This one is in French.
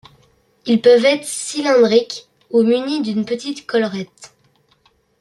Ils peuvent être cylindriques ou munis d'une petite collerette.